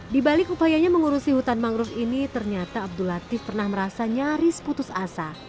di balik upayanya mengurusi hutan mangrove ini ternyata abdul latif pernah merasa nyaris putus asa